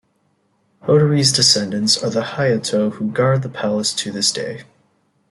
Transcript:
Hoderi's descendants are the Hayato who guard the palace to this day.